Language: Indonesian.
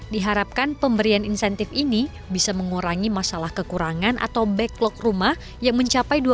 diharapkan pemberian insentif ini bisa mengurangi masalah kekurangan atau backlog rumah yang mencapai dua belas satu juta